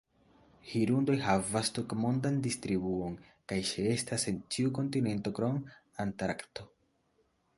Hirundoj havas tutmondan distribuon, kaj ĉeestas en ĉiu kontinento krom Antarkto.